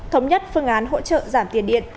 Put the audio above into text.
thống nhất phương án hỗ trợ giảm tiền điện